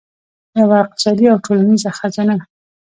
یوه اقتصادي او ټولنیزه خزانه.